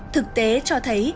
thực tế cho thấy